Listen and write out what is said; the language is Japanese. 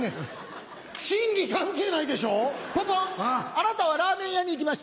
あなたはラーメン屋に行きました。